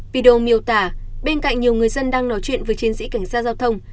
video miêu tả bên cạnh nhiều người dân đang nói chuyện với chiến sĩ cảnh sát giao thông